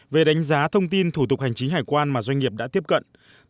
về đánh giá thông tin thủ tục hành chính hải quan mà doanh nghiệp đã tiếp cận